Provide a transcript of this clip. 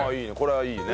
いいね！